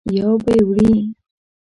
یو به یې وړې.